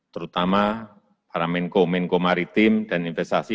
terutama para menko menko maritim dan investasi